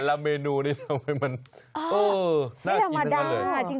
แต่ละเมนูนี้ทำให้มันน่ากินมากเลย